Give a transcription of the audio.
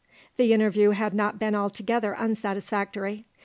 The interview had not been altogether unsatisfactory.